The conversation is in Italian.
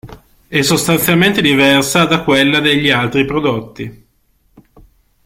È sostanzialmente diversa da quella degli altri prodotti.